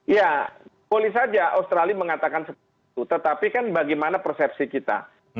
ya boleh saja australia mengatakan seperti itu tetapi kan bagaimana persepsi kita